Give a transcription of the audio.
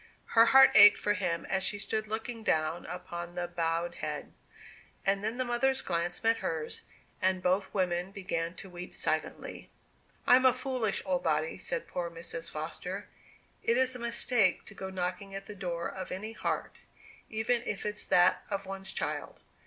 Her heart ached for him as she stood looking down upon the bowed head. And then the mother's glance met hers, and both women began to weep silently. "I'm a foolish old body," said poor Mrs. Foster. "It's a mistake to go knocking at the door of any heart, even if it's that of one's child.